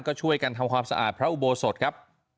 ก็ช่วยกันทำความสะอาดพระอุโบสถครับ